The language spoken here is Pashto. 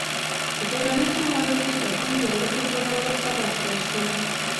په ټولنیزو غونډو کې ګډون د اړیکو جوړولو سبب ګرځي.